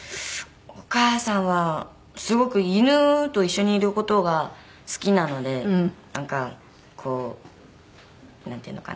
お母さんはすごく犬と一緒にいる事が好きなのでなんかこうなんていうのかな。